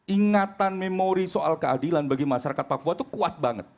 ingatan memori soal keadilan bagi masyarakat papua itu kuat banget